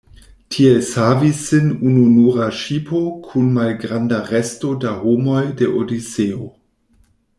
Tiel savis sin ununura ŝipo kun malgranda resto da homoj de Odiseo.